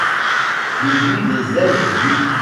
Le bout des ailes est bleu.